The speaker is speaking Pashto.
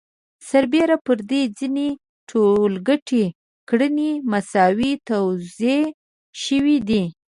سربېره پر دې ځینې ټولګټې کړنې مساوي توزیع شوي دي